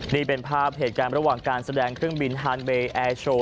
นี่เป็นภาพเหตุการณ์ระหว่างการแสดงเครื่องบินฮานเวย์แอร์โชว์